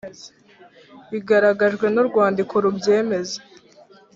bigaragajwe n urwandiko rubyemeza